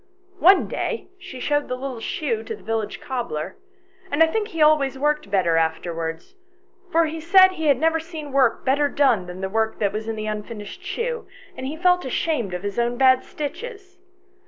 One day she showed the little shoe to the village cobbler, and I think he always worked better afterwards ; for he said he had never seen work better done than the work that was in the unfinished shoe, and he felt ashamed of his own bad stitches.